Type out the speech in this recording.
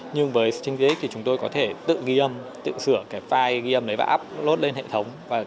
nhưng với stringgx chúng tôi có thể tự ghi âm tự sửa file ghi âm và upload lên hệ thống